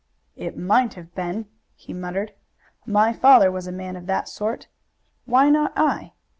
"It might have been," he muttered. "My father was a man of that sort. Why not I?